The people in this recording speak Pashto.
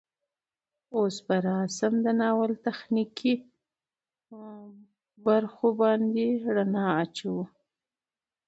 اوس به راشم د ناول تخنيکي بوخو باندې ړنا اچوم